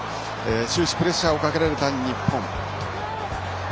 終始、プレッシャーをかけられた日本。